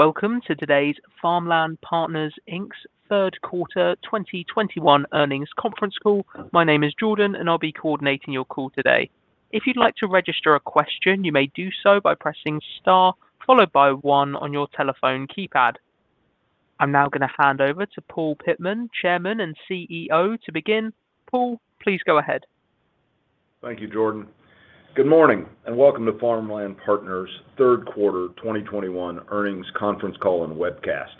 Welcome to today's Farmland Partners Inc.'s third quarter 2021 earnings conference call. My name is Jordan, and I'll be coordinating your call today. If you'd like to register a question, you may do so by pressing Star followed by one on your telephone keypad. I'm now gonna hand over to Paul Pittman, Chairman and CEO, to begin. Paul, please go ahead. Thank you, Jordan. Good morning, and welcome to Farmland Partners third quarter 2021 earnings conference call and webcast.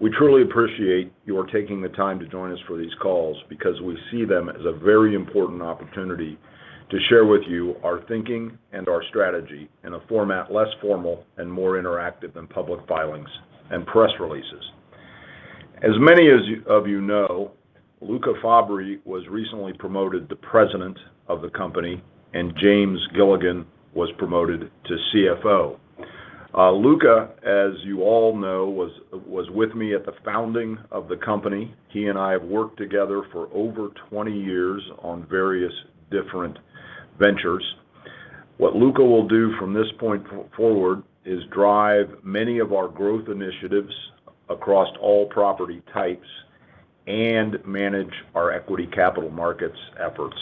We truly appreciate your taking the time to join us for these calls because we see them as a very important opportunity to share with you our thinking and our strategy in a format less formal and more interactive than public filings and press releases. As many of you know, Luca Fabbri was recently promoted to President of the company, and James Gilligan was promoted to CFO. Luca, as you all know, was with me at the founding of the company. He and I have worked together for over 20 years on various different ventures. What Luca will do from this point forward is drive many of our growth initiatives across all property types and manage our equity capital markets efforts.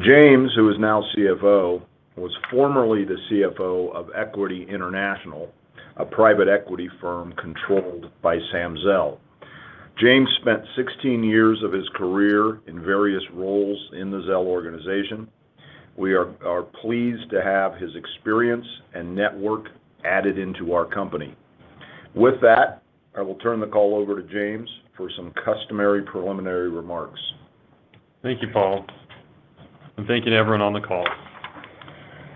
James, who is now CFO, was formerly the CFO of Equity International, a private equity firm controlled by Sam Zell. James spent 16 years of his career in various roles in the Zell organization. We are pleased to have his experience and network added into our company. With that, I will turn the call over to James for some customary preliminary remarks. Thank you, Paul. Thank you to everyone on the call.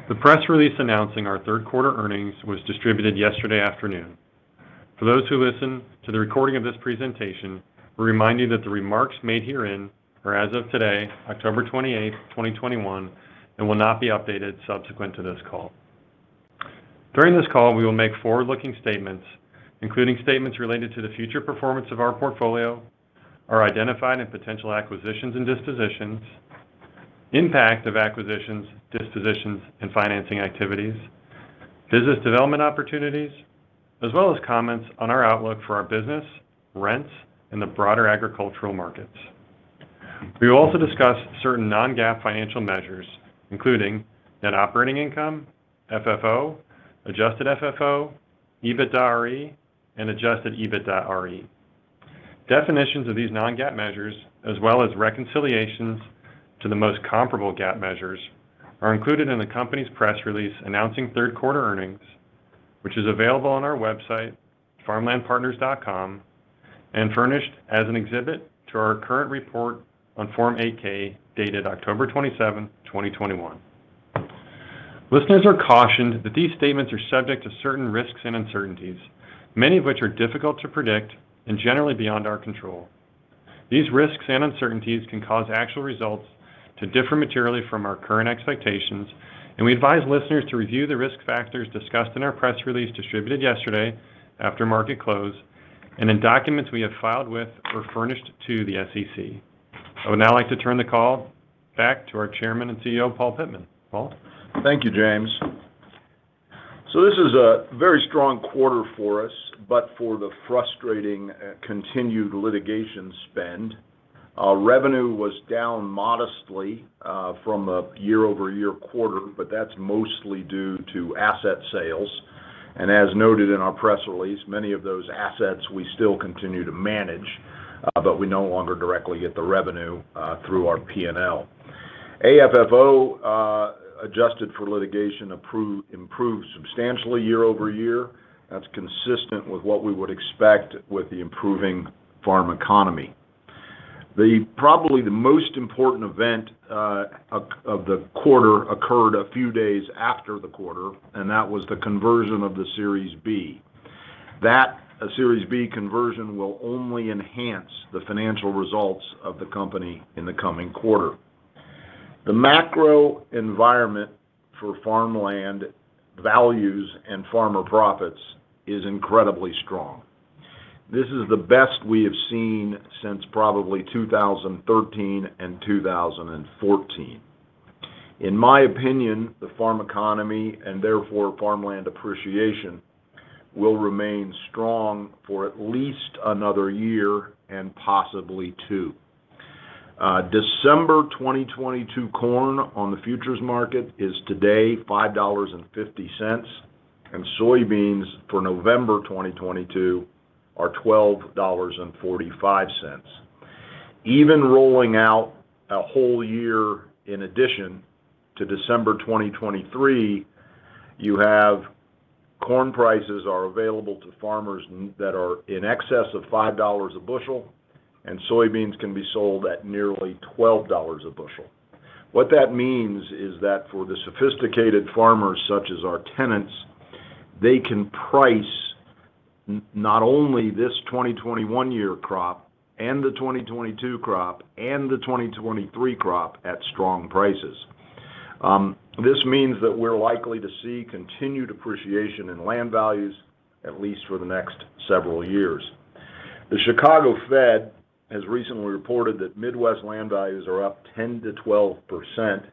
The press release announcing our third quarter earnings was distributed yesterday afternoon. For those who listen to the recording of this presentation, we remind you that the remarks made herein are as of today, October 28, 2021, and will not be updated subsequent to this call. During this call, we will make forward-looking statements, including statements related to the future performance of our portfolio, our identified and potential acquisitions and dispositions, impact of acquisitions, dispositions, and financing activities, business development opportunities, as well as comments on our outlook for our business, rents, and the broader agricultural markets. We will also discuss certain non-GAAP financial measures, including net operating income, FFO, adjusted FFO, EBITDAre, and adjusted EBITDAre. Definitions of these non-GAAP measures, as well as reconciliations to the most comparable GAAP measures, are included in the company's press release announcing third quarter earnings, which is available on our website, farmlandpartners.com, and furnished as an exhibit to our current report on Form 8-K, dated October 27, 2021. Listeners are cautioned that these statements are subject to certain risks and uncertainties, many of which are difficult to predict and generally beyond our control. These risks and uncertainties can cause actual results to differ materially from our current expectations, and we advise listeners to review the risk factors discussed in our press release distributed yesterday after market close and in documents we have filed with or furnished to the SEC. I would now like to turn the call back to our Chairman and CEO, Paul Pittman. Paul? Thank you, James. This is a very strong quarter for us, but for the frustrating, continued litigation spend. Revenue was down modestly from a year-over-year quarter, but that's mostly due to asset sales. As noted in our press release, many of those assets we still continue to manage, but we no longer directly get the revenue through our P&L. AFFO, adjusted for litigation improved substantially year-over-year. That's consistent with what we would expect with the improving farm economy. Probably the most important event of the quarter occurred a few days after the quarter, and that was the conversion of the Series B. That, Series B conversion will only enhance the financial results of the company in the coming quarter. The macro environment for farmland values and farmer profits is incredibly strong. This is the best we have seen since probably 2013 and 2014. In my opinion, the farm economy, and therefore farmland appreciation, will remain strong for at least another year and possibly two. December 2022 corn on the futures market is today $5.50, and soybeans for November 2022 are $12.45. Even rolling out a whole year in addition to December 2023, you have corn prices are available to farmers that are in excess of $5 a bushel, and soybeans can be sold at nearly $12 a bushel. What that means is that for the sophisticated farmers, such as our tenants, they can price not only this 2021 year crop and the 2022 crop and the 2023 crop at strong prices. This means that we're likely to see continued appreciation in land values at least for the next several years. The Chicago Fed has recently reported that Midwest land values are up 10%-12%.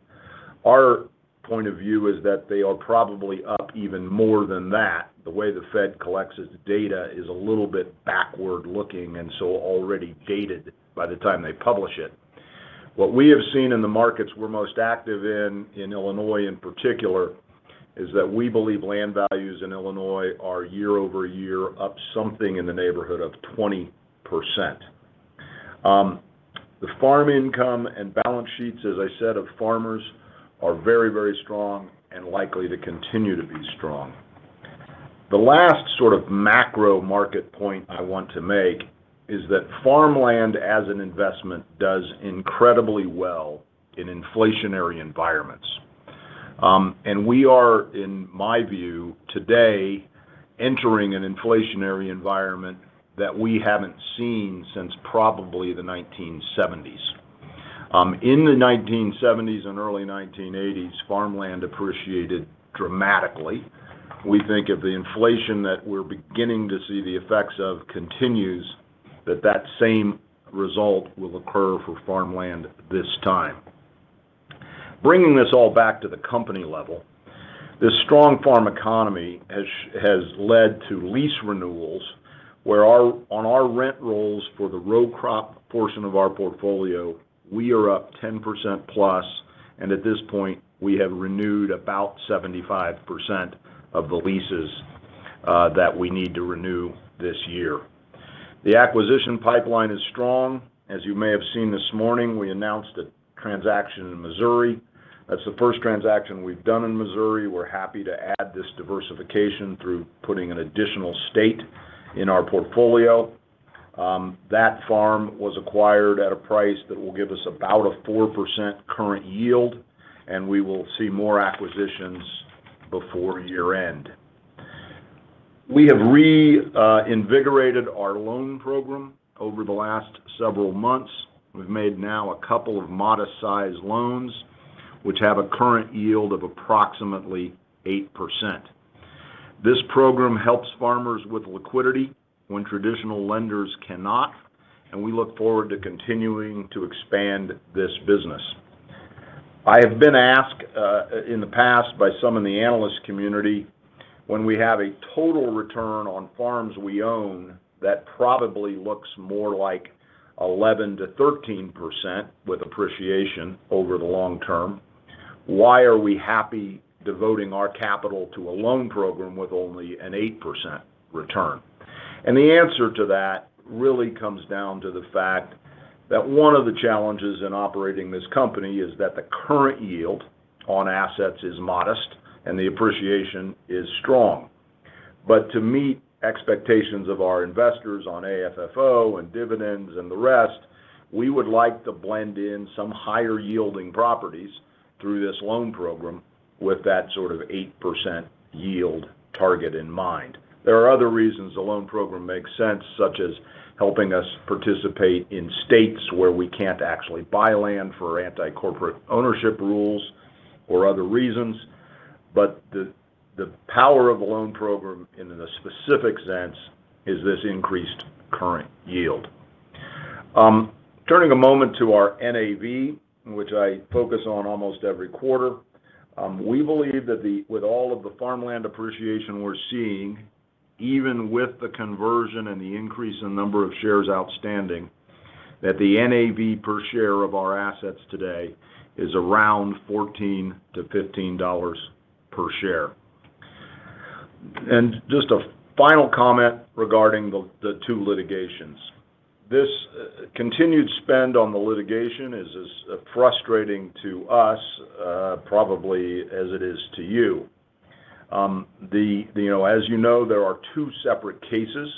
Our point of view is that they are probably up even more than that. The way the Fed collects its data is a little bit backward looking and so already dated by the time they publish it. What we have seen in the markets we're most active in Illinois in particular, is that we believe land values in Illinois are year-over-year up something in the neighborhood of 20%. The farm income and balance sheets, as I said, of farmers are very, very strong and likely to continue to be strong. The last sort of macro market point I want to make is that farmland as an investment does incredibly well in inflationary environments. We are, in my view, today entering an inflationary environment that we haven't seen since probably the 1970s. In the 1970s and early 1980s, farmland appreciated dramatically. We think if the inflation that we're beginning to see the effects of continues, that same result will occur for farmland this time. Bringing this all back to the company level, this strong farm economy has led to lease renewals where on our rent rolls for the row crop portion of our portfolio, we are up 10%+. At this point, we have renewed about 75% of the leases that we need to renew this year. The acquisition pipeline is strong. As you may have seen this morning, we announced a transaction in Missouri. That's the first transaction we've done in Missouri. We're happy to add this diversification through putting an additional state in our portfolio. That farm was acquired at a price that will give us about a 4% current yield, and we will see more acquisitions before year end. We have reinvigorated our loan program over the last several months. We've made now a couple of modest-sized loans, which have a current yield of approximately 8%. This program helps farmers with liquidity when traditional lenders cannot, and we look forward to continuing to expand this business. I have been asked in the past by some in the analyst community when we have a total return on farms we own that probably looks more like 11%-13% with appreciation over the long term, why are we happy devoting our capital to a loan program with only an 8% return? The answer to that really comes down to the fact that one of the challenges in operating this company is that the current yield on assets is modest and the appreciation is strong. To meet expectations of our investors on AFFO and dividends and the rest, we would like to blend in some higher yielding properties through this loan program with that sort of 8% yield target in mind. There are other reasons the loan program makes sense, such as helping us participate in states where we can't actually buy land for anti-corporate ownership rules or other reasons. The power of the loan program in a specific sense is this increased current yield. Turning a moment to our NAV, which I focus on almost every quarter, we believe that with all of the farmland appreciation we're seeing, even with the conversion and the increase in number of shares outstanding, that the NAV per share of our assets today is around $14-$15 per share. Just a final comment regarding the two litigations. This continued spend on the litigation is as frustrating to us probably as it is to you. As you know, there are two separate cases.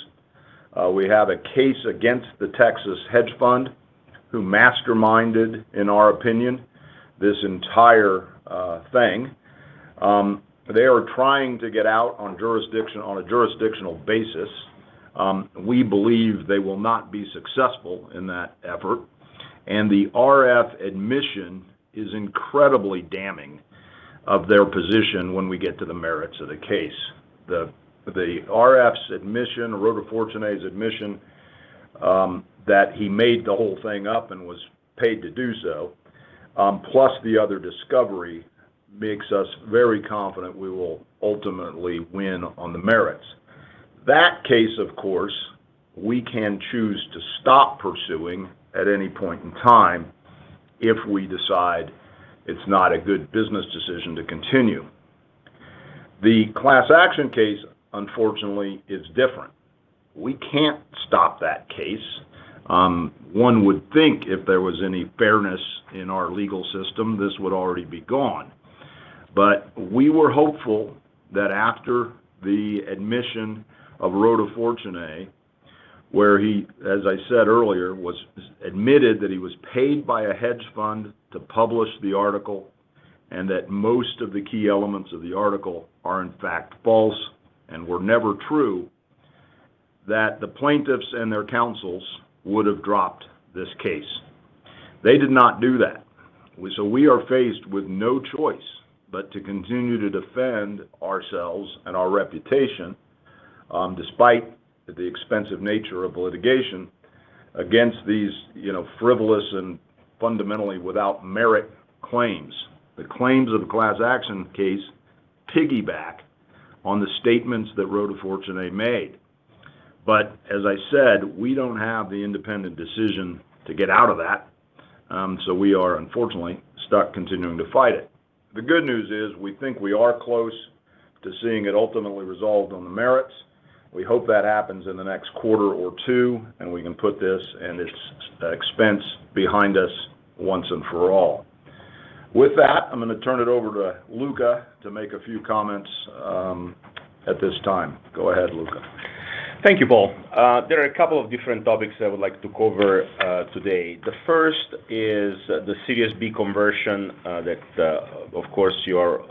We have a case against the Texas hedge fund who masterminded, in our opinion, this entire thing. They are trying to get out on a jurisdictional basis. We believe they will not be successful in that effort. The RF admission is incredibly damning of their position when we get to the merits of the case. Rota Fortunae's admission, Rota Fortunae's admission that he made the whole thing up and was paid to do so, plus the other discovery makes us very confident we will ultimately win on the merits. That case, of course, we can choose to stop pursuing at any point in time if we decide it's not a good business decision to continue. The class action case, unfortunately, is different. We can't stop that case. One would think if there was any fairness in our legal system, this would already be gone. We were hopeful that after the admission of Rota Fortunae, where he, as I said earlier, admitted that he was paid by a hedge fund to publish the article and that most of the key elements of the article are in fact false and were never true, that the plaintiffs and their counsels would have dropped this case. They did not do that. We are faced with no choice but to continue to defend ourselves and our reputation, despite the expensive nature of litigation against these, you know, frivolous and fundamentally without merit claims. The claims of the class action case piggyback on the statements that Rota Fortunae made. As I said, we don't have the independent decision to get out of that, so we are unfortunately stuck continuing to fight it. The good news is we think we are close to seeing it ultimately resolved on the merits. We hope that happens in the next quarter or two, and we can put this and its expense behind us once and for all. With that, I'm gonna turn it over to Luca to make a few comments, at this time. Go ahead, Luca. Thank you, Paul. There are a couple of different topics I would like to cover today. The first is the Series B conversion that, of course, you're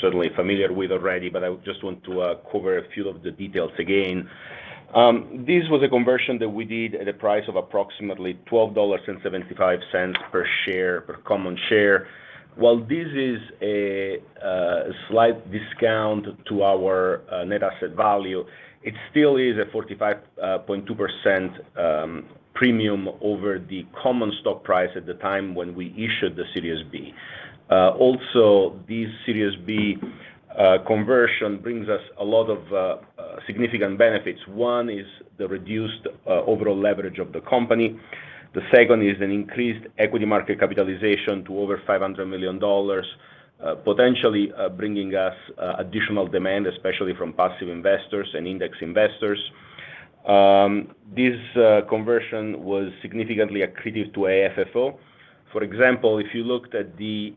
certainly familiar with already, but I just want to cover a few of the details again. This was a conversion that we did at a price of approximately $12.75 per share, per common share. While this is a slight discount to our net asset value, it still is a 45.2% premium over the common stock price at the time when we issued the Series B. Also, this Series B conversion brings us a lot of significant benefits. One is the reduced overall leverage of the company. The second is an increased equity market capitalization to over $500 million, potentially, bringing us additional demand, especially from passive investors and index investors. This conversion was significantly accretive to AFFO. For example, if you looked at the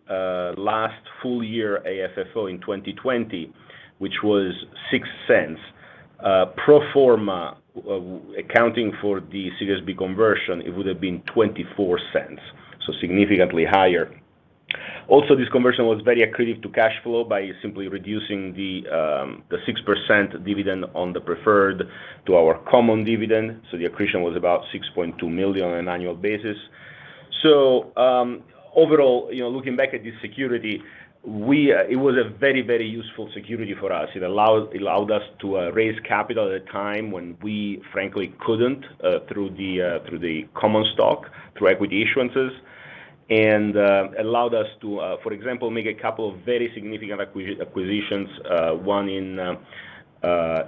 last full year AFFO in 2020, which was $0.06, pro forma, accounting for the Series B conversion, it would have been $0.24, so significantly higher. Also, this conversion was very accretive to cash flow by simply reducing the 6% dividend on the preferred to our common dividend, so the accretion was about $6.2 million on an annual basis. Overall, looking back at this security, It was a very useful security for us. It allowed us to raise capital at a time when we frankly couldn't through the common stock, through equity issuances, and allowed us to, for example, make a couple of very significant acquisitions, one in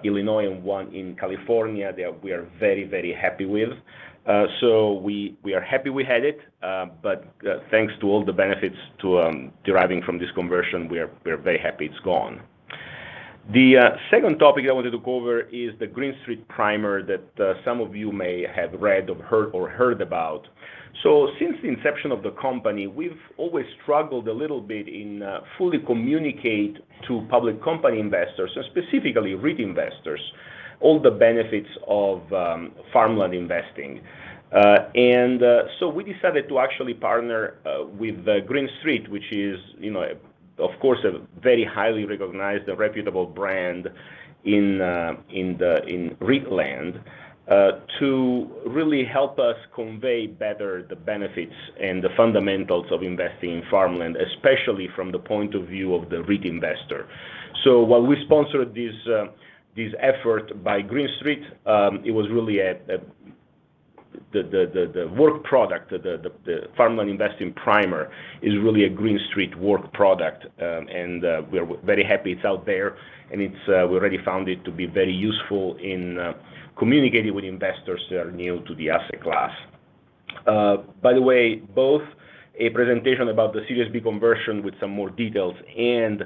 Illinois and one in California that we are very happy with. We are happy we had it, but thanks to all the benefits deriving from this conversion, we are very happy it's gone. The second topic I wanted to cover is the Green Street Primer that some of you may have read or heard about. Since the inception of the company, we've always struggled a little bit in fully communicate to public company investors, specifically REIT investors, all the benefits of farmland investing. We decided to actually partner with Green Street, which is of course, a very highly recognized and reputable brand in REIT land to really help us convey better the benefits and the fundamentals of investing in farmland, especially from the point of view of the REIT investor. While we sponsored this effort by Green Street, it was really a work product. The Farmland Investing Primer is really a Green Street work product, and we are very happy it's out there, and we already found it to be very useful in communicating with investors that are new to the asset class. By the way, both a presentation about the Series B conversion with some more details and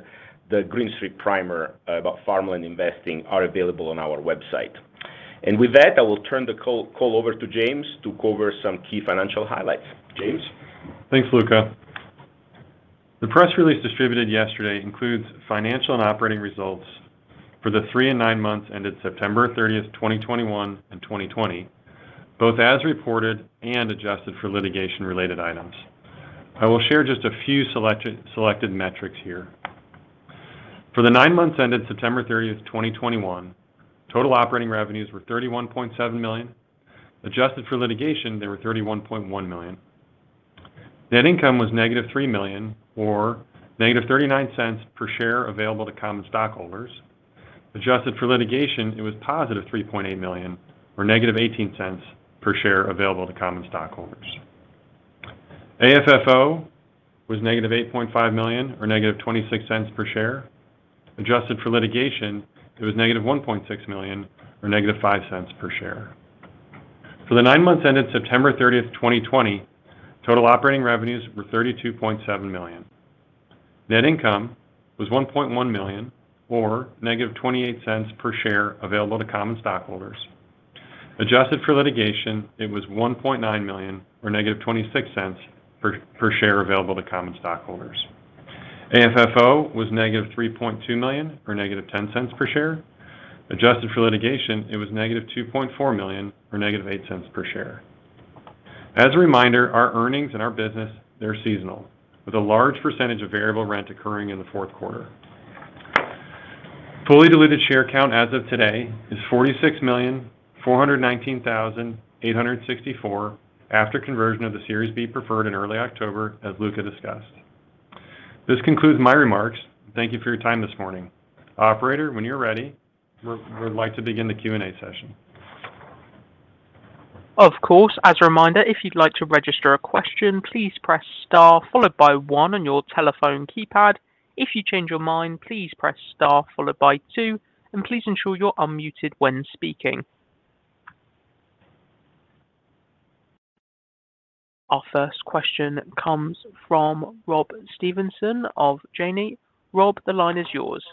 the Green Street Primer about farmland investing are available on our website. With that, I will turn the call over to James to cover some key financial highlights. James. Thanks, Luca. The press release distributed yesterday includes financial and operating results for the three and nine months ended September 30th, 2021 and 2020, both as reported and adjusted for litigation-related items. I will share just a few selected metrics here. For the nine months ended September 30th, 2021, total operating revenues were $31.7 million. Adjusted for litigation, they were $31.1 million. Net income was -$3 million or -$0.39 per share available to common stockholders. Adjusted for litigation, it was $3.8 million or -$0.18 per share available to common stockholders. AFFO was -$8.5 million or -$0.26 per share. Adjusted for litigation, it was -$1.6 million or -$0.05 per share. For the nine months ended September 30th, 2020, total operating revenues were $32.7 million. Net income was $1.1 million or -$0.28 per share available to common stockholders. Adjusted for litigation, it was $1.9 million or -$0.26 per share available to common stockholders. AFFO was -$3.2 million or -$0.10 per share. Adjusted for litigation, it was -$2.4 million or -$0.08 per share. As a reminder, our earnings and our business, they're seasonal, with a large percentage of variable rent occurring in the fourth quarter. Fully diluted share count as of today is 46,419,864 after conversion of the Series B Preferred in early October, as Luca discussed. This concludes my remarks. Thank you for your time this morning. Operator, when you're ready, we'd like to begin the Q&A session. Of course. As a reminder, if you'd like to register a question, please press Star followed by one on your telephone keypad. If you change your mind, please press Star followed by two, and please ensure you're unmuted when speaking. Our first question comes from Rob Stevenson of Janney Montgomery Scott. Rob, the line is yours.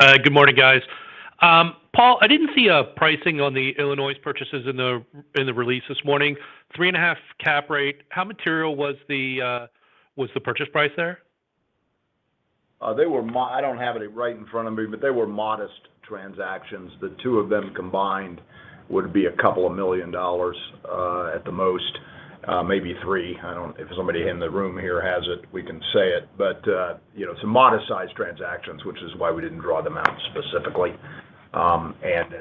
Good morning, guys. Paul, I didn't see a pricing on the Illinois purchases in the release this morning. 3.5 cap rate. How material was the purchase price there? I don't have it right in front of me, but they were modest transactions. The two of them combined would be a couple million dollars at the most, maybe $3 million. If somebody in the room here has it, we can say it. Some modest-sized transactions, which is why we didn't draw them out specifically. As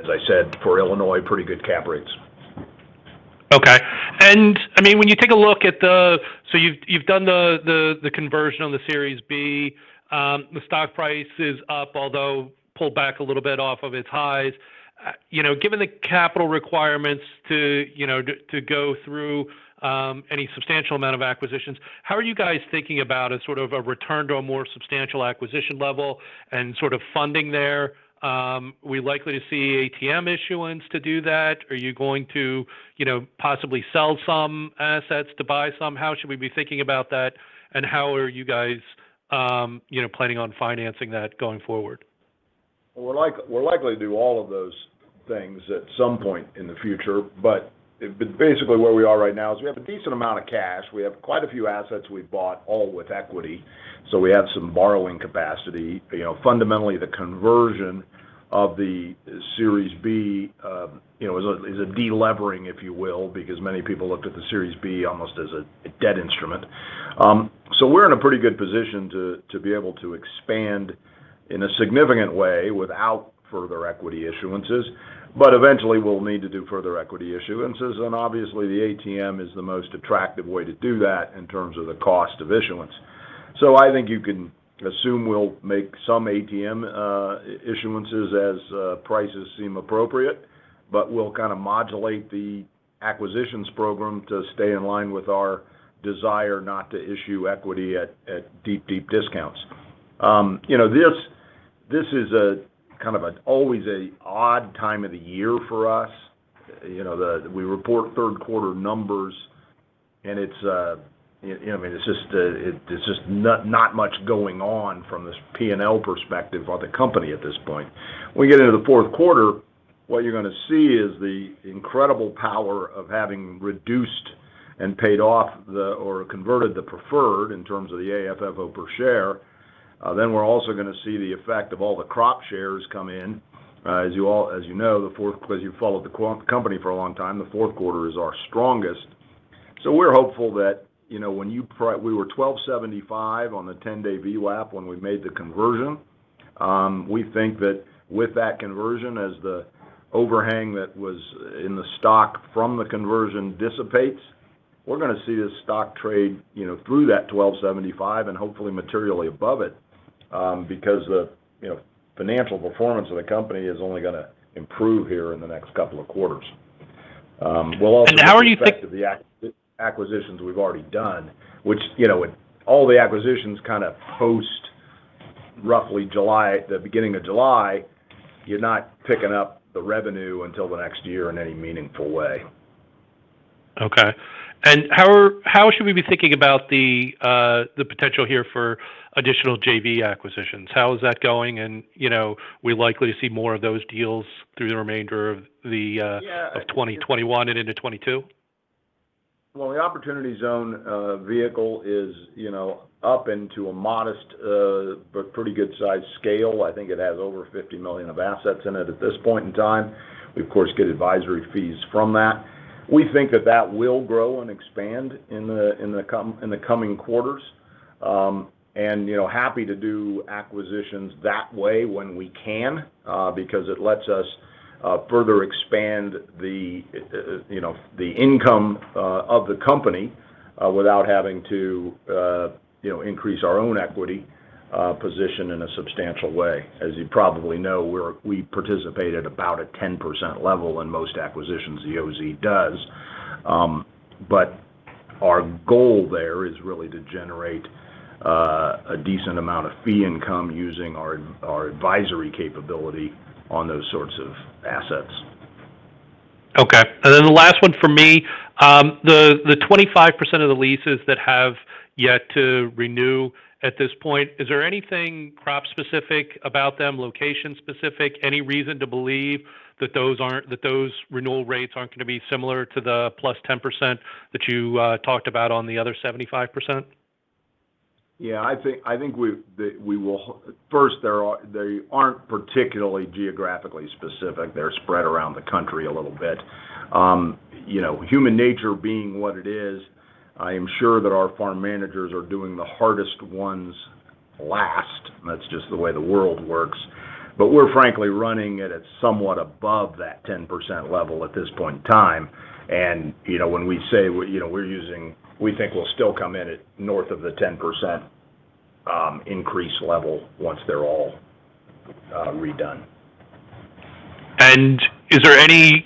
I said, for Illinois, pretty good cap rates. Okay. I mean, So you've done the conversion on the Series B. The stock price is up, although pulled back a little bit off of its highs. Given the capital requirements to you know to go through any substantial amount of acquisitions, how are you guys thinking about a sort of a return to a more substantial acquisition level and sort of funding there? Are we likely to see ATM issuance to do that? Are you going to you know possibly sell some assets to buy some? How should we be thinking about that, and how are you guys you know planning on financing that going forward? We're likely to do all of those things at some point in the future. Basically, where we are right now is we have a decent amount of cash. We have quite a few assets we've bought, all with equity, so we have some borrowing capacity. Fundamentally, the conversion of the Series B, you know, is a de-levering, if you will, because many people looked at the Series B almost as a debt instrument. So we're in a pretty good position to be able to expand in a significant way without further equity issuances. Eventually, we'll need to do further equity issuances. Obviously, the ATM is the most attractive way to do that in terms of the cost of issuance. I think you can assume we'll make some ATM issuances as prices seem appropriate. We'll kind of modulate the acquisitions program to stay in line with our desire not to issue equity at deep discounts. This is kind of an always odd time of the year for us. We report third quarter numbers, and it's you know, I mean, it's just not much going on from this P&L perspective of the company at this point. When we get into the fourth quarter, what you're gonna see is the incredible power of having reduced and paid off or converted the preferred in terms of the AFFO per share. Then we're also gonna see the effect of all the crop shares come in. As you know, 'cause you've followed the company for a long time, the fourth quarter is our strongest. We were $12.75 on the 10 day VWAP when we made the conversion. We think that with that conversion, as the overhang that was in the stock from the conversion dissipates, we're gonna see the stock trade through that $12.75 and hopefully materially above it, because the financial performance of the company is only gonna improve here in the next couple of quarters. We'll also... How are you... The effect of the acquisitions we've already done, which, you know, all the acquisitions kind of post roughly July, the beginning of July, you're not picking up the revenue until the next year in any meaningful way. Okay. How should we be thinking about the potential here for additional JV acquisitions? How is that going? Are we likely to see more of those deals through the remainder of 2021 and into 2022? Well, the opportunity zone vehicle is up into a modest but pretty good size scale. I think it has over $50 million of assets in it at this point in time. We, of course, get advisory fees from that. We think that will grow and expand in the coming quarters. Happy to do acquisitions that way when we can because it lets us further expand the income of the company without having to increase our own equity position in a substantial way. As you probably know, we participate at about a 10% level in most acquisitions the OZ does. Our goal there is really to generate a decent amount of fee income using our advisory capability on those sorts of assets. Okay. Then the last one from me. The 25% of the leases that have yet to renew at this point, is there anything crop specific about them, location specific, any reason to believe that those renewal rates aren't gonna be similar to the +10% that you talked about on the other 75%? I think we've that we will. First, they aren't particularly geographically specific. They're spread around the country a little bit. Human nature being what it is, I am sure that our farm managers are doing the hardest ones last. That's just the way the world works. We're frankly running it at somewhat above that 10% level at this point in time. When we say we're using, we think we'll still come in at north of the 10%, increase level once they're all redone. Is there any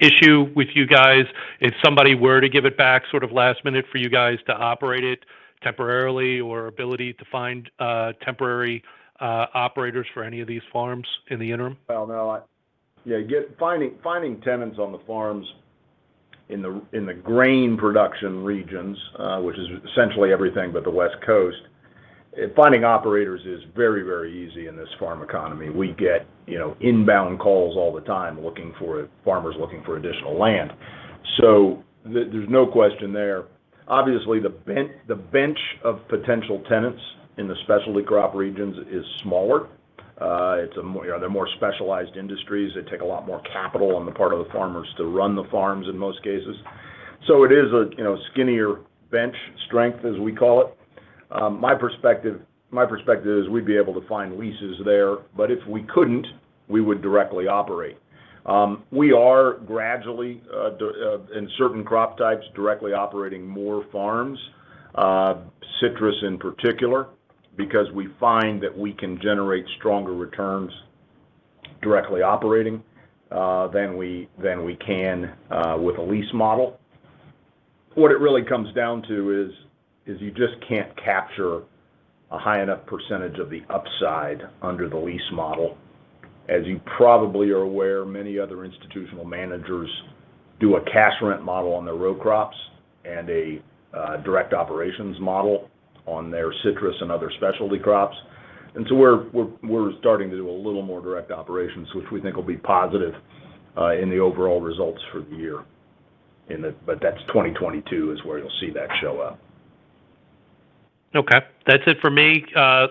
issue with you guys if somebody were to give it back sort of last minute for you guys to operate it temporarily or ability to find temporary operators for any of these farms in the interim? Well, no. Yeah, finding tenants on the farms in the grain production regions, which is essentially everything but the West Coast, finding operators is very easy in this farm economy. We get inbound calls all the time looking for farmers looking for additional land. There's no question there. Obviously, the bench of potential tenants in the specialty crop regions is smaller. They're more specialized industries. They take a lot more capital on the part of the farmers to run the farms in most cases. So it is a skinnier bench strength, as we call it. My perspective is we'd be able to find leases there, but if we couldn't, we would directly operate. We are gradually, in certain crop types, directly operating more farms, citrus in particular, because we find that we can generate stronger returns directly operating, than we can, with a lease model. What it really comes down to is you just can't capture a high enough percentage of the upside under the lease model. As you probably are aware, many other institutional managers do a cash rent model on their row crops and a direct operations model on their citrus and other specialty crops. We're starting to do a little more direct operations, which we think will be positive, in the overall results for the year, but that's 2022 is where you'll see that show up. Okay. That's it for me.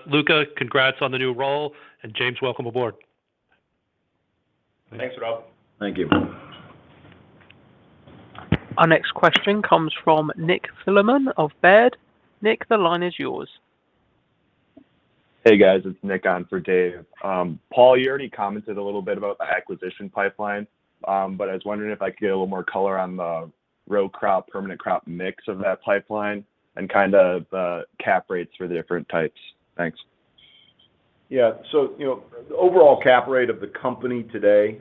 Luca, congrats on the new role. James, welcome aboard. Thanks, Rob. Thank you. Our next question comes from Nick Thillman of Baird. Nick, the line is yours. Hey, guys, it's Nick on for Dave. Paul, you already commented a little bit about the acquisition pipeline, but I was wondering if I could get a little more color on the row crop, permanent crop mix of that pipeline and kind of cap rates for the different types. Thanks. Yeah. The overall cap rate of the company today,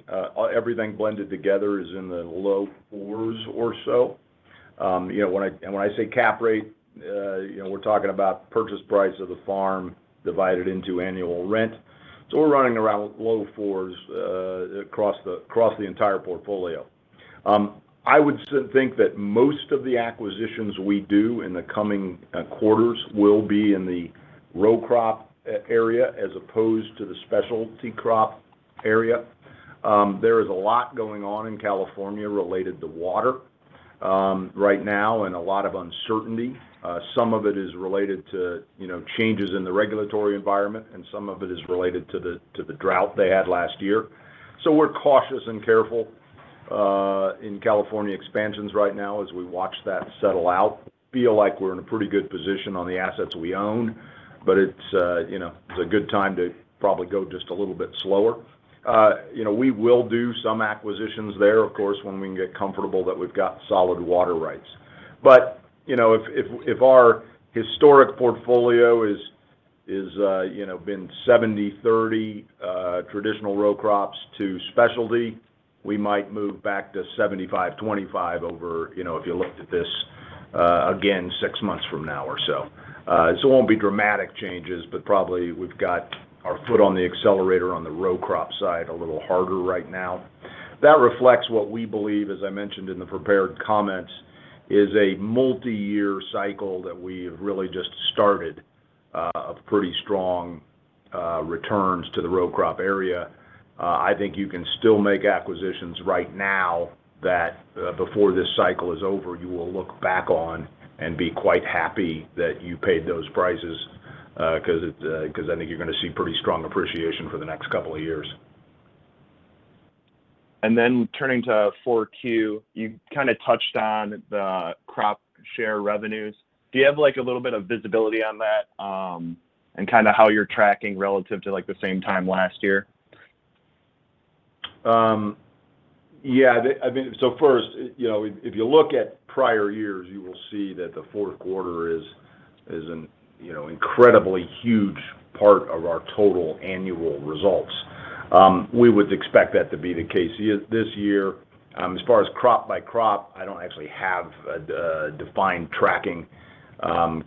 everything blended together is in the low 4s or so. When I say cap rate, we're talking about purchase price of the farm divided into annual rent. We're running around low 4s across the entire portfolio. I would think that most of the acquisitions we do in the coming quarters will be in the row crop area as opposed to the specialty crop area. There is a lot going on in California related to water right now and a lot of uncertainty. Some of it is related to changes in the regulatory environment, and some of it is related to the drought they had last year. We're cautious and careful in California expansions right now as we watch that settle out. Feel like we're in a pretty good position on the assets we own, but it's a good time to probably go just a little bit slower. We will do some acquisitions there, of course, when we can get comfortable that we've got solid water rights. If our historic portfolio is, been 70/30, traditional row crops to specialty, we might move back to 75/25 over, if you looked at this, again six months from now or so. It won't be dramatic changes, but probably we've got our foot on the accelerator on the row crop side a little harder right now. That reflects what we believe, as I mentioned in the prepared comments, is a multi-year cycle that we've really just started, of pretty strong returns to the row crop area. I think you can still make acquisitions right now that, before this cycle is over, you will look back on and be quite happy that you paid those prices, because I think you're going to see pretty strong appreciation for the next couple of years. Turning to 4Q, you kind of touched on the crop share revenues. Do you have like a little bit of visibility on that, and kind of how you're tracking relative to like the same time last year? First, if you look at prior years, you will see that the fourth quarter is an incredibly huge part of our total annual results. We would expect that to be the case this year. As far as crop by crop, I don't actually have a defined tracking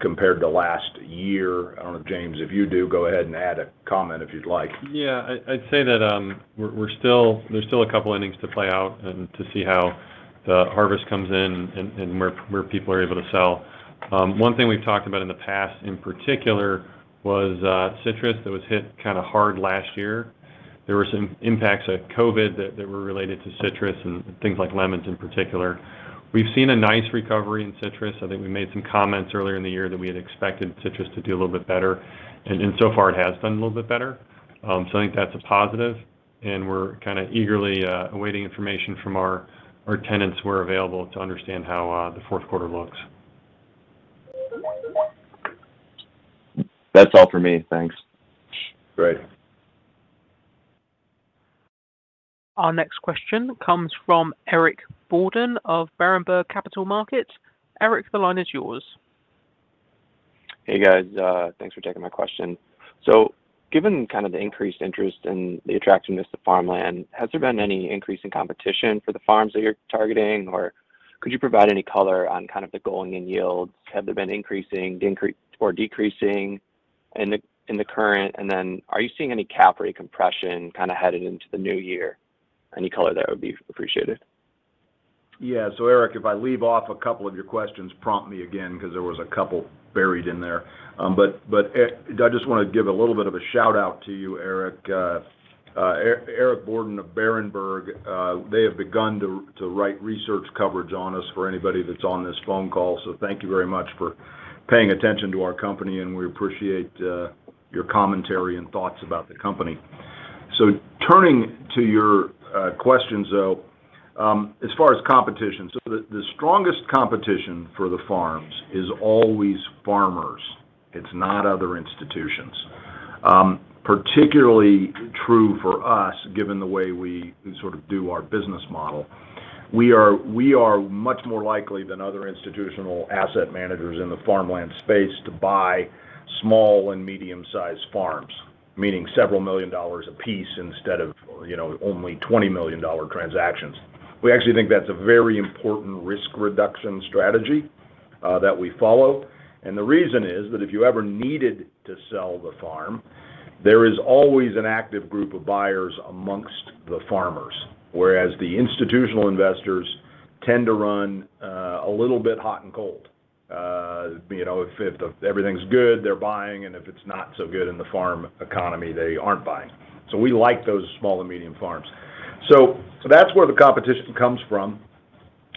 compared to last year. I don't know if, James, if you do, go ahead and add a comment if you'd like. Yeah. I'd say that there's still a couple innings to play out and to see how the harvest comes in and where people are able to sell. One thing we've talked about in the past, in particular, was citrus that was hit kind of hard last year. There were some impacts of COVID that were related to citrus and things like lemons in particular. We've seen a nice recovery in citrus. I think we made some comments earlier in the year that we had expected citrus to do a little bit better. So far it has done a little bit better. So I think that's a positive, and we're kind of eagerly awaiting information from our tenants who are available to understand how the fourth quarter looks. That's all for me. Thanks. Great. Our next question comes from Eric Borden of Berenberg Capital Markets. Eric, the line is yours. Hey, guys. Thanks for taking my question. Given kind of the increased interest and the attractiveness to farmland, has there been any increase in competition for the farms that you're targeting? Or could you provide any color on kind of the going-in yields? Have they been increasing or decreasing in the current? Then are you seeing any cap rate compression kind of headed into the new year? Any color there would be appreciated. Yeah. Eric, if I leave off a couple of your questions, prompt me again, 'cause there was a couple buried in there. I just wanna give a little bit of a shout-out to you, Eric. Eric Borden of Berenberg, they have begun to write research coverage on us for anybody that's on this phone call. Thank you very much for paying attention to our company, and we appreciate your commentary and thoughts about the company. Turning to your questions, though, as far as competition. The strongest competition for the farms is always farmers. It's not other institutions. Particularly true for us, given the way we sort of do our business model. We are much more likely than other institutional asset managers in the farmland space to buy small and medium-sized farms, meaning several million dollars a piece instead of only $20 million transactions. We actually think that's a very important risk reduction strategy that we follow. The reason is that if you ever needed to sell the farm, there is always an active group of buyers amongst the farmers, whereas the institutional investors tend to run a little bit hot and cold. If everything's good, they're buying, and if it's not so good in the farm economy, they aren't buying. We like those small and medium farms. That's where the competition comes from.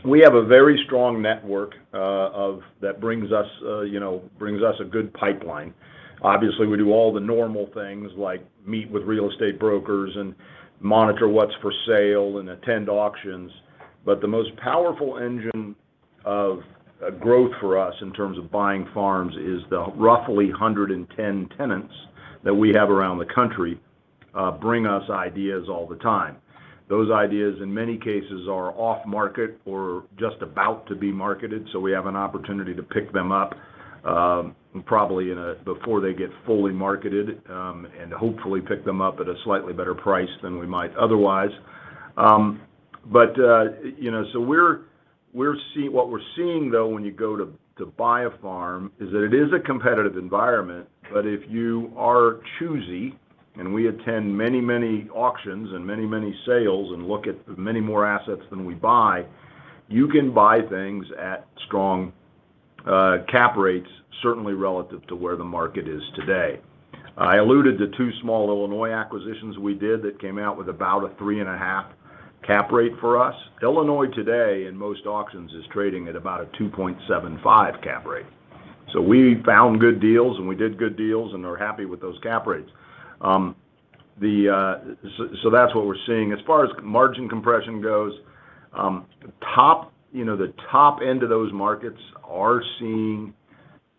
We have a very strong network that brings us a good pipeline. Obviously, we do all the normal things like meet with real estate brokers and monitor what's for sale and attend auctions. The most powerful engine of growth for us in terms of buying farms is the roughly 110 tenants that we have around the country bring us ideas all the time. Those ideas, in many cases, are off market or just about to be marketed, so we have an opportunity to pick them up, probably before they get fully marketed, and hopefully pick them up at a slightly better price than we might otherwise. What we're seeing, though, when you go to buy a farm is that it is a competitive environment, but if you are choosy, and we attend many auctions and many sales and look at many more assets than we buy, you can buy things at strong cap rates, certainly relative to where the market is today. I alluded to two small Illinois acquisitions we did that came out with about a 3.5% cap rate for us. Illinois today, in most auctions, is trading at about a 2.75% cap rate. We found good deals, and we did good deals and are happy with those cap rates. That's what we're seeing. As far as margin compression goes, the top end of those markets are seeing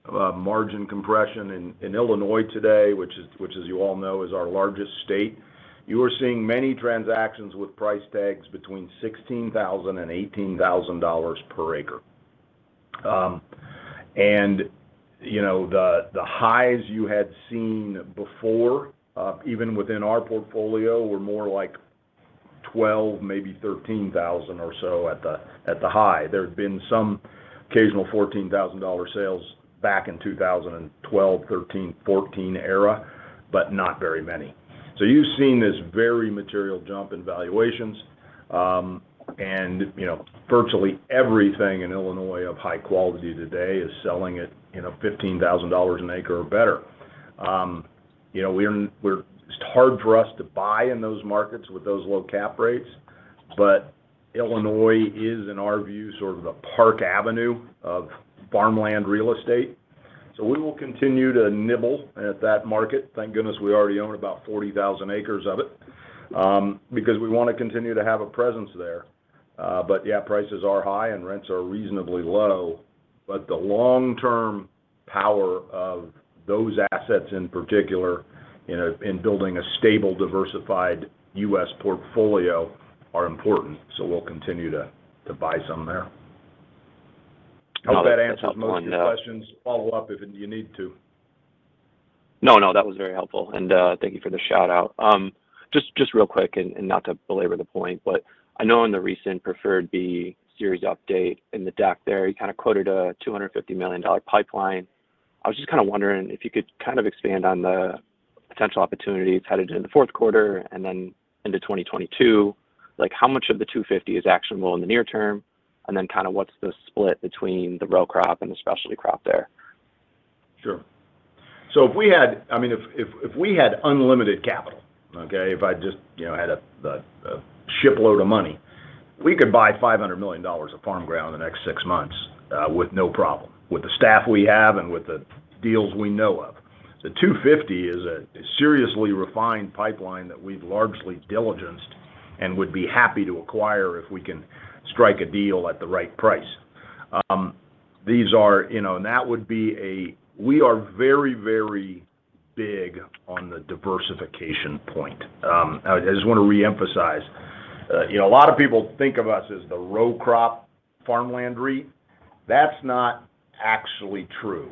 margin compression in Illinois today, which, as you all know, is our largest state. You are seeing many transactions with price tags between $16,000 and $18,000 per acre. The highs you had seen before, even within our portfolio, were more like $12,000, maybe $13,000 or so at the high. There had been some occasional $14,000 sales back in 2012, 2013, 2014 era, but not very many. You've seen this very material jump in valuations. Virtually everything in Illinois of high quality today is selling at $15,000 an acre or better. It's hard for us to buy in those markets with those low cap rates, but Illinois is, in our view, sort of the Park Avenue of farmland real estate. We will continue to nibble at that market. Thank goodness we already own about 40,000 acres of it, because we wanna continue to have a presence there. Yeah, prices are high and rents are reasonably low. The long-term power of those assets in particular in building a stable, diversified U.S. portfolio are important, so we'll continue to buy some there. That answers... Hope that answers most of your questions. Follow up if you need to. No, that was very helpful, and thank you for the shout-out. Just real quick and not to belabor the point, but I know in the recent Series B Preferred update in the deck there, you kind of quoted a $250 million pipeline. I was just kind of wondering if you could kind of expand on the potential opportunities headed into the fourth quarter and then into 2022. Like, how much of the $250 million is actionable in the near term? And then kind of what's the split between the row crop and the specialty crop there? Sure. If we had unlimited capital, okay? If I just had a shipload of money. We could buy $500 million of farm ground in the next six months with no problem. With the staff we have and with the deals we know of. The $250 million is a seriously refined pipeline that we've largely diligenced and would be happy to acquire if we can strike a deal at the right price. That would be a... We are very big on the diversification point. I just wanna reemphasize. A lot of people think of us as the row crop farmland REIT. That's not actually true.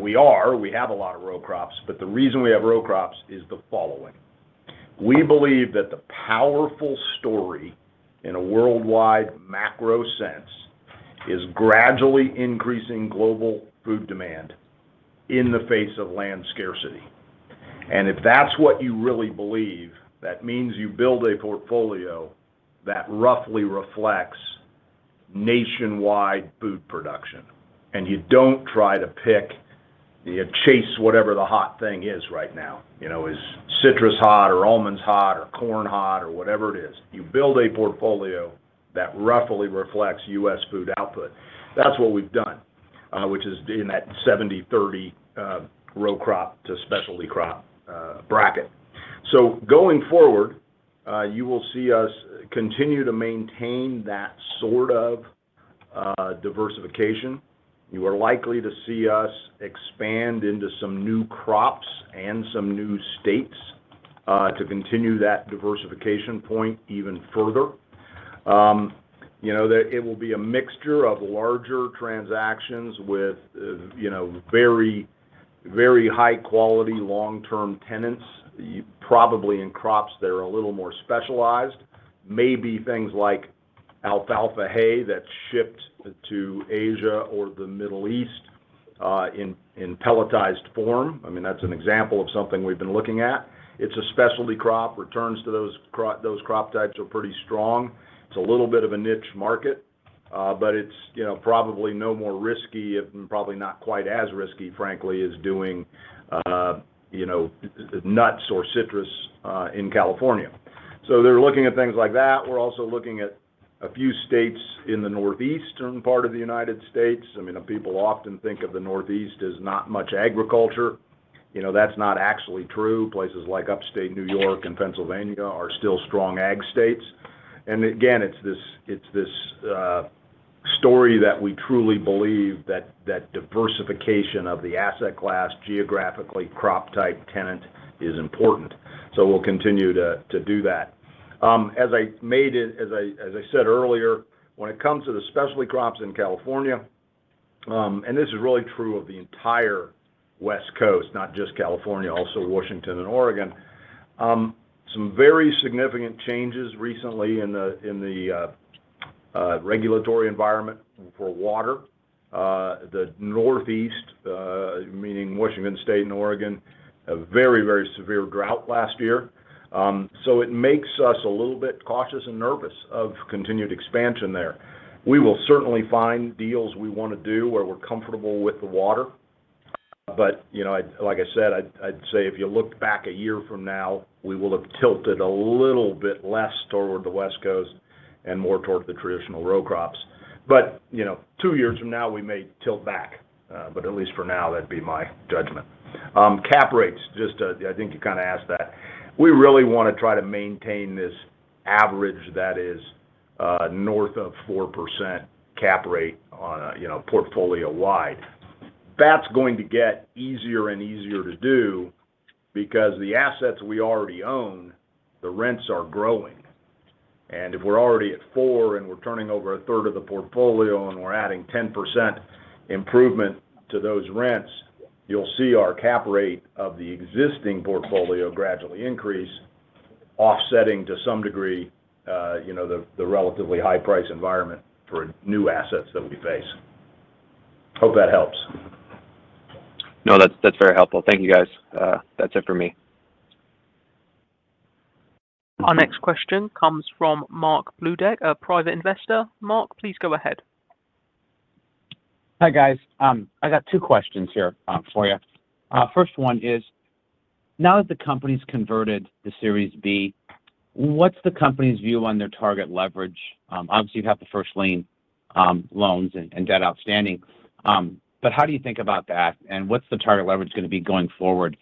We are. We have a lot of row crops, but the reason we have row crops is the following. We believe that the powerful story in a worldwide macro sense is gradually increasing global food demand in the face of land scarcity. If that's what you really believe, that means you build a portfolio that roughly reflects nationwide food production. You don't try to pick, you chase whatever the hot thing is right now. You know, is citrus hot or almonds hot or corn hot or whatever it is. You build a portfolio that roughly reflects U.S. food output. That's what we've done, which is in that 70/30, row crop to specialty crop, bracket. Going forward, you will see us continue to maintain that sort of, diversification. You are likely to see us expand into some new crops and some new states, to continue that diversification point even further. It will be a mixture of larger transactions with, you know, very, very high quality long-term tenants, probably in crops that are a little more specialized. Maybe things like alfalfa hay that's shipped to Asia or the Middle East, in pelletized form. I mean, that's an example of something we've been looking at. It's a specialty crop. Returns to those crop types are pretty strong. It's a little bit of a niche market, but it's probably no more risky, if probably not quite as risky, frankly, as doing nuts or citrus, in California. They're looking at things like that. We're also looking at a few states in the northeastern part of the United States. I mean, people often think of the Northwest as not much agriculture. That's not actually true. Places like Upstate New York and Pennsylvania are still strong ag states. Again, it's this story that we truly believe that diversification of the asset class, geographically, crop type, tenant is important. We'll continue to do that. As I said earlier, when it comes to the specialty crops in California, and this is really true of the entire West Coast, not just California, also Washington and Oregon, some very significant changes recently in the regulatory environment for water, the Northwest, meaning Washington State and Oregon, a very severe drought last year. It makes us a little bit cautious and nervous of continued expansion there. We will certainly find deals we wanna do where we're comfortable with the water. Like I said, I'd say if you look back a year from now, we will have tilted a little bit less toward the West Coast and more towards the traditional row crops. Two years from now, we may tilt back. At least for now, that'd be my judgment. Cap rates. I think you kinda asked that. We really wanna try to maintain this average that is north of 4% cap rate on a portfolio-wide. That's going to get easier and easier to do because the assets we already own, the rents are growing. If we're already at 4%, and we're turning over a third of the portfolio, and we're adding 10% improvement to those rents, you'll see our cap rate of the existing portfolio gradually increase, offsetting to some degree, the relatively high price environment for new assets that we face. Hope that helps. No, that's very helpful. Thank you, guys. That's it for me. Our next question comes from Mark [Bloudek], a private investor. Mark, please go ahead. Hi, guys. I got two questions here for you. First one is, now that the company's converted to Series B, what's the company's view on their target leverage? Obviously, you have the first lien loans and debt outstanding. How do you think about that, and what's the target leverage gonna be going forward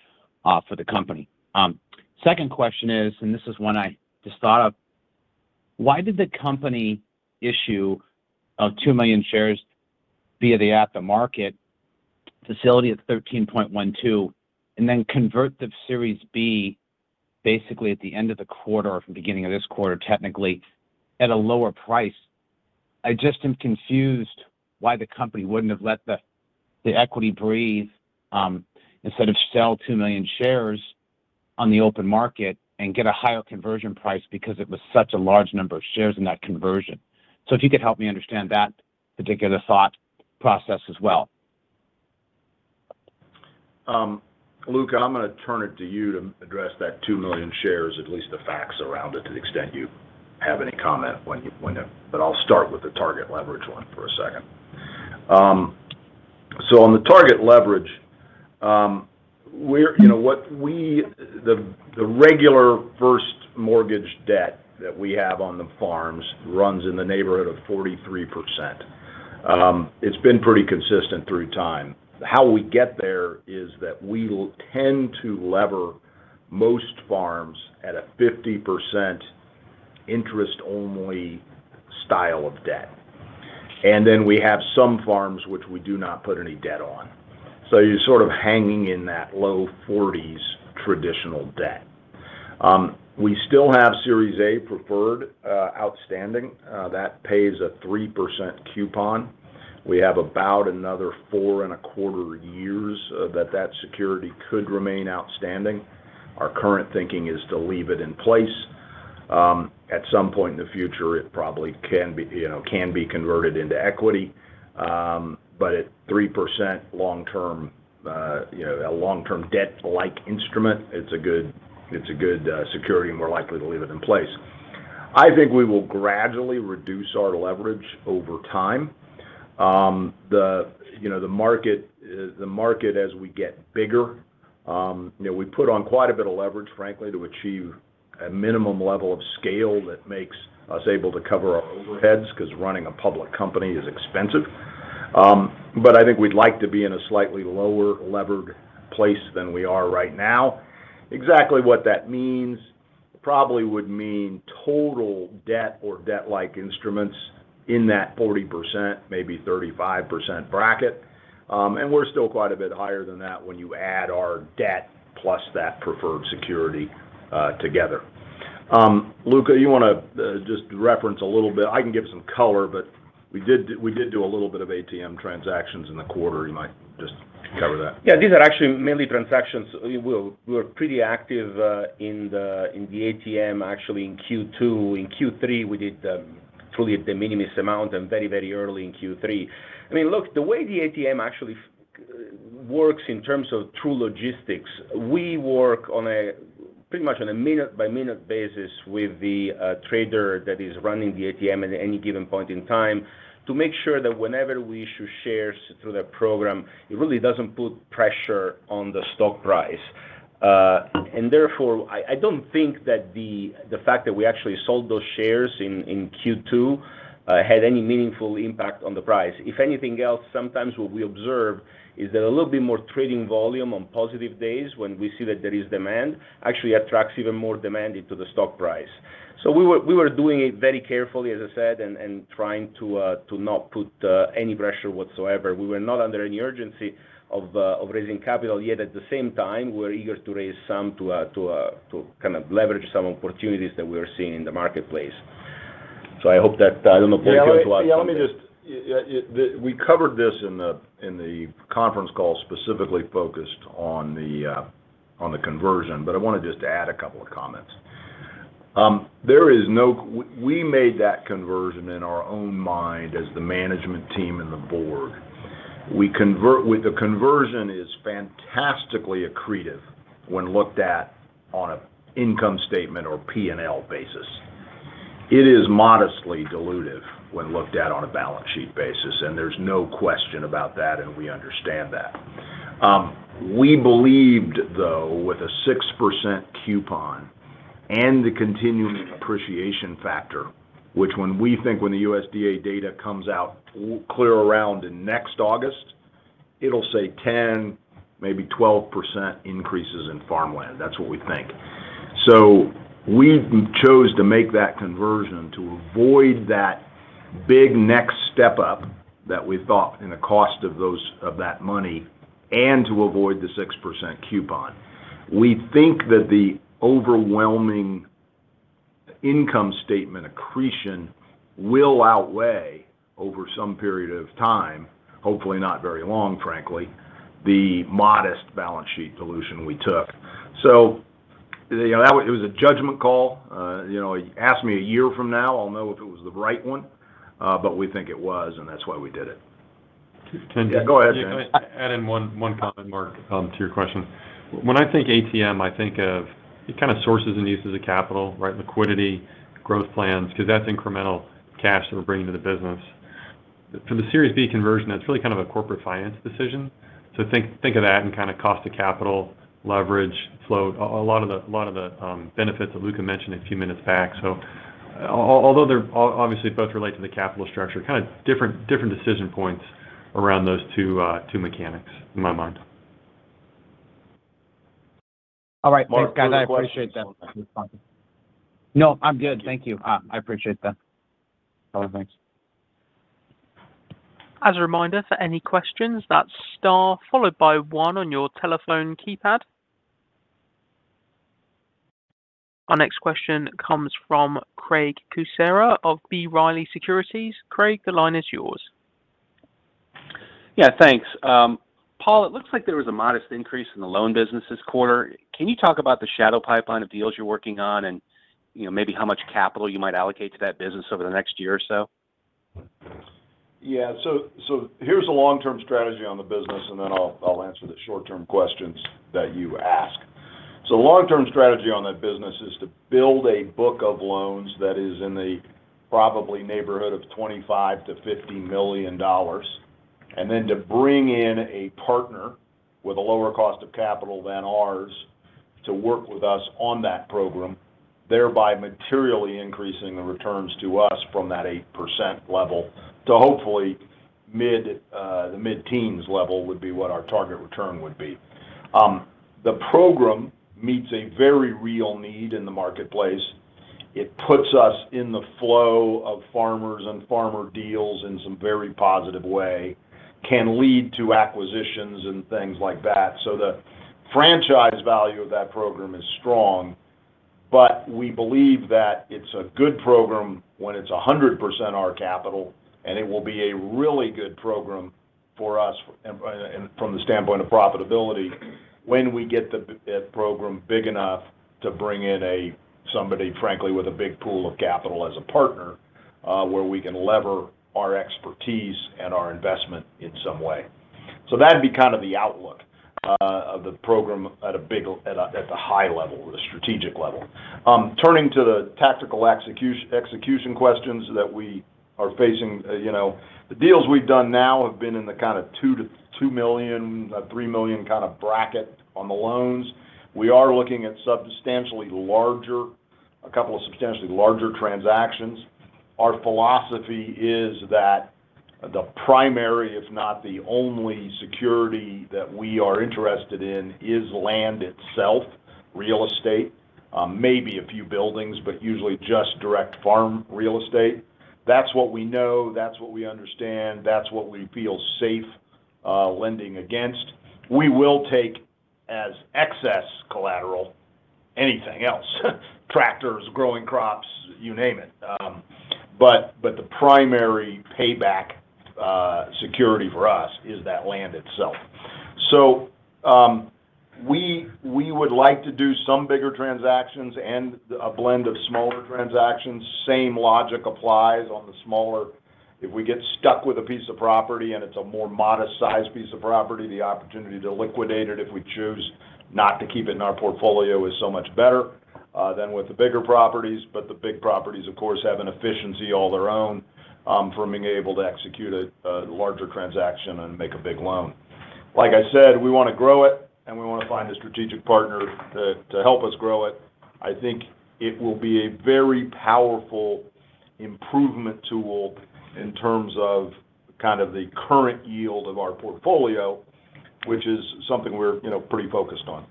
for the company? Second question is, and this is one I just thought of, why did the company issue 2 million shares via the at-the-market facility at $13.12 and then convert the Series B basically at the end of the quarter or from beginning of this quarter, technically, at a lower price? I just am confused why the company wouldn't have let the equity breathe, instead of sell 2 million shares on the open market and get a higher conversion price because it was such a large number of shares in that conversion. If you could help me understand that particular thought process as well. Luca, I'm gonna turn it to you to address that 2 million shares, at least the facts around it, to the extent you have any comment. I'll start with the target leverage one for a second. On the target leverage, the regular first mortgage debt that we have on the farms runs in the neighborhood of 43%. It's been pretty consistent through time. How we get there is that we will tend to lever most farms at a 50% interest-only style of debt. We have some farms which we do not put any debt on. You're sort of hanging in that low 40%s traditional debt. We still have Series A preferred outstanding that pays a 3% coupon. We have about another 4.25 years that security could remain outstanding. Our current thinking is to leave it in place. At some point in the future, it probably can be converted into equity. At 3% long-term, a long-term debt-like instrument, it's a good security, and we're likely to leave it in place. I think we will gradually reduce our leverage over time. The market as we get bigger, we put on quite a bit of leverage, frankly, to achieve a minimum level of scale that makes us able to cover our overheads because running a public company is expensive. I think we'd like to be in a slightly lower levered place than we are right now. Exactly what that means probably would mean total debt or debt-like instruments in that 40%, maybe 35% bracket. We're still quite a bit higher than that when you add our debt plus that preferred security together. Luca, you wanna just reference a little bit? I can give some color, but we did do a little bit of ATM transactions in the quarter. You might just cover that. Yeah. These are actually mainly transactions. We're pretty active in the ATM, actually in Q2. In Q3, we did truly a de-minimis amount and very early in Q3. I mean, look, the way the ATM actually works in terms of true logistics, we work pretty much on a minute-by-minute basis with the trader that is running the ATM at any given point in time to make sure that whenever we issue shares through that program, it really doesn't put pressure on the stock price. Therefore, I don't think that the fact that we actually sold those shares in Q2 had any meaningful impact on the price. If anything else, sometimes what we observe is that a little bit more trading volume on positive days when we see that there is demand actually attracts even more demand into the stock price. We were doing it very carefully, as I said, and trying to not put any pressure whatsoever. We were not under any urgency of raising capital, yet at the same time, we're eager to raise some to kind of leverage some opportunities that we're seeing in the marketplace. I hope that. I don't know if you want to add something. Yeah. We covered this in the conference call specifically focused on the conversion, but I wanna just add a couple of comments. We made that conversion in our own mind as the management team and the board. With the conversion is fantastically accretive when looked at on a income statement or P&L basis. It is modestly dilutive when looked at on a balance sheet basis, and there's no question about that, and we understand that. We believed, though, with a 6% coupon and the continuing appreciation factor, which we think when the USDA data comes out clearly around next August, it'll say 10%, maybe 12% increases in farmland. That's what we think. We chose to make that conversion to avoid that big next step up that we thought in the cost of that money and to avoid the 6% coupon. We think that the overwhelming income statement accretion will outweigh over some period of time, hopefully not very long, frankly, the modest balance sheet dilution we took. It was a judgment call. You know, ask me a year from now, I'll know if it was the right one, but we think it was, and that's why we did it. Can- Yeah, go ahead, James. Can I add one comment, Mark, to your question? When I think ATM, I think of the kind of sources and uses of capital, right? Liquidity, growth plans, because that's incremental cash that we're bringing to the business. For the Series B conversion, that's really kind of a corporate finance decision. Think of that and kind of cost of capital, leverage, flow, a lot of the benefits that Luca mentioned a few minutes back. Although they're obviously both relate to the capital structure, kind of different decision points around those two mechanics in my mind. Mark, further questions? All right. Thanks, guys. I appreciate that. No, I'm good. Thank you. I appreciate that. All right. Thanks. As a reminder, for any questions, that's star followed by one on your telephone keypad. Our next question comes from Craig Kucera of B. Riley Securities. Craig, the line is yours. Yeah, thanks. Paul, it looks like there was a modest increase in the loan business this quarter. Can you talk about the shadow pipeline of deals you're working on, and maybe how much capital you might allocate to that business over the next year or so? Yeah. Here's a long-term strategy on the business, and then I'll answer the short-term questions that you ask. Long-term strategy on that business is to build a book of loans that is in the probably neighborhood of $25 million-$50 million, and then to bring in a partner with a lower cost of capital than ours to work with us on that program, thereby materially increasing the returns to us from that 8% level to hopefully mid, the mid-teens level would be what our target return would be. The program meets a very real need in the marketplace. It puts us in the flow of farmers and farmer deals in some very positive way, can lead to acquisitions and things like that. The franchise value of that program is strong, but we believe that it's a good program when it's 100% our capital, and it will be a really good program for us and from the standpoint of profitability, when we get that program big enough to bring in somebody, frankly, with a big pool of capital as a partner, where we can leverage our expertise and our investment in some way. That'd be kind of the outlook of the program at the high level, the strategic level. Turning to the tactical execution questions that we are facing. The deals we've done now have been in the kind of $2 million-$3 million kind of bracket on the loans. We are looking at a couple of substantially larger transactions. Our philosophy is that the primary, if not the only security that we are interested in, is land itself, real estate, maybe a few buildings, but usually just direct farm real estate. That's what we know. That's what we understand. That's what we feel safe lending against. We will take as excess collateral anything else, tractors, growing crops, you name it. But the primary payback security for us is that land itself. We would like to do some bigger transactions and a blend of smaller transactions. Same logic applies on the smaller. If we get stuck with a piece of property and it's a more modest sized piece of property, the opportunity to liquidate it if we choose not to keep it in our portfolio is so much better than with the bigger properties. But the big properties, of course, have an efficiency all their own from being able to execute a larger transaction and make a big loan. Like I said, we wanna grow it, and we wanna find a strategic partner to help us grow it. I think it will be a very powerful improvement tool in terms of kind of the current yield of our portfolio, which is something we're pretty focused on.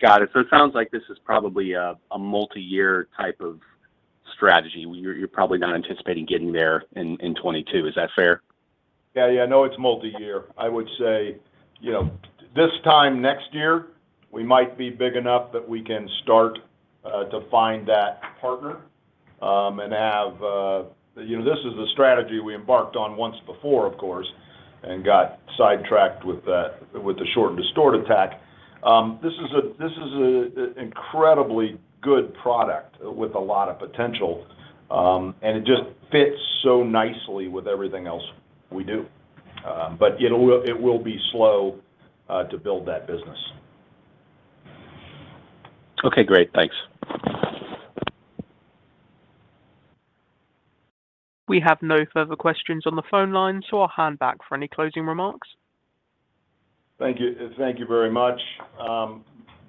Got it. It sounds like this is probably a multi-year type of strategy. You're probably not anticipating getting there in 2022. Is that fair? Yeah. No, it's multi-year. I would say, this time next year we might be big enough that we can start to find that partner. This is the strategy we embarked on once before, of course, and got sidetracked with the short and distort attack. This is an incredibly good product with a lot of potential, and it just fits so nicely with everything else we do. It will be slow to build that business. Okay, great. Thanks. We have no further questions on the phone line, so I'll hand back for any closing remarks. Thank you. Thank you very much,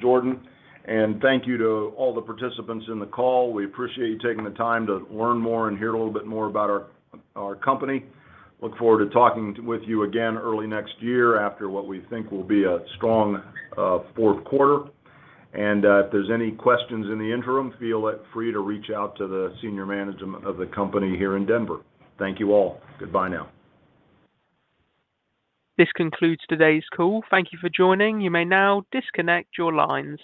Jordan, and thank you to all the participants in the call. We appreciate you taking the time to learn more and hear a little bit more about our company. Look forward to talking with you again early next year after what we think will be a strong fourth quarter. If there's any questions in the interim, feel free to reach out to the senior management of the company here in Denver. Thank you all. Goodbye now. This concludes today's call. Thank you for joining. You may now disconnect your lines.